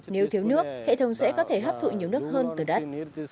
nếu thiếu nước hệ thống sẽ có thể hấp thụ nhiều nước hơn từ đất